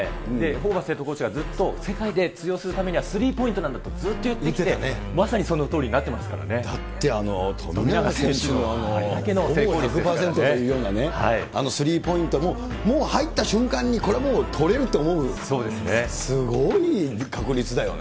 ホーバスヘッドコーチが世界で通用するためには、スリーポイントなんだと、ずっといってきて、まさにそのとおりになってますかだってあの富永選手の１００％というようなね、あのスリーポイントも、もう入った瞬間に、これもう取れるって思う、すごい確率だよね。